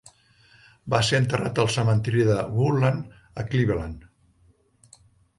Va ser enterrat al cementiri de Woodland a Cleveland.